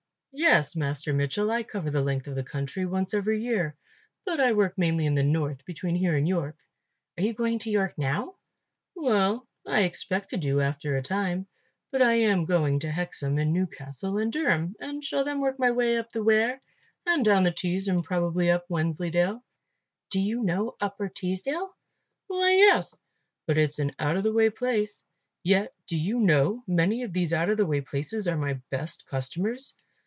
"Yes, Master Mitchell, I cover the length of the country once every year, but I work mainly in the north between here and York." "Are you going to York now?" "Well, I expect to do after a time; but I am going to Hexham and Newcastle and Durham and shall then work my way up the Wear and down the Tees and probably up Wensley dale." "Do you know Upper Teesdale?" "Why, yes, but it's an out of the way place. Yet, do you know, many of these out of the way places are my best customers.